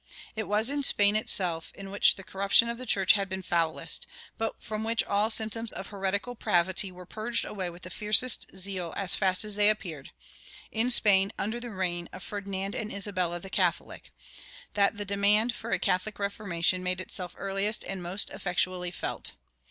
It was in Spain itself, in which the corruption of the church had been foulest, but from which all symptoms of "heretical pravity" were purged away with the fiercest zeal as fast as they appeared, in Spain under the reign of Ferdinand and Isabella the Catholic, that the demand for a Catholic reformation made itself earliest and most effectually felt.